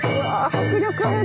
迫力ある。